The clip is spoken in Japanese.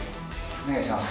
お願いします。